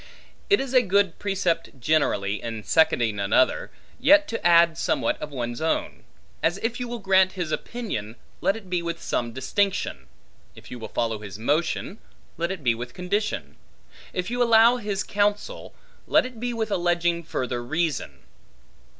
It is a good precept generally, in seconding another, yet to add somewhat of one's own: as if you will grant his opinion, let it be with some distinction; if you will follow his motion, let it be with condition; if you allow his counsel, let it be with alleging further reason.